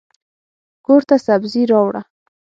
کورته سبزي راوړه.